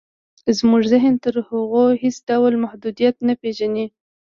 زموږ ذهن تر هغو هېڅ ډول محدوديت نه پېژني.